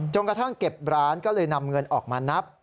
กระทั่งเก็บร้านก็เลยนำเงินออกมานับ